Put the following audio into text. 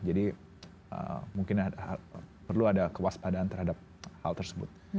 jadi mungkin perlu ada kewaspadaan terhadap hal tersebut